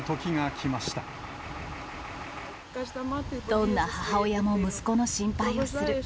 どんな母親も息子の心配をする。